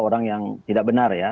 orang yang tidak benar